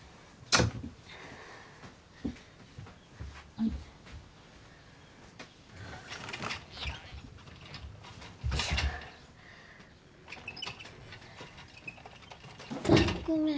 あっごめん。